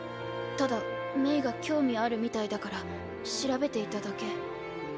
ただメイが興味あるみたいだから調べていただけ。